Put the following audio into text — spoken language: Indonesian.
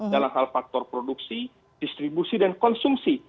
dalam hal faktor produksi distribusi dan konsumsi